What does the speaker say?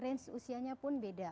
range usianya pun beda